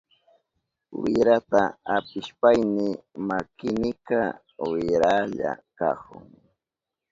Wirata apishpayni makinika wirahlla kahun.